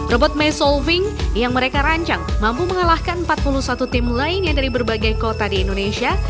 robot meisolving yang mereka rancang mampu mengalahkan empat puluh satu tim lainnya dari berbagai kota di indonesia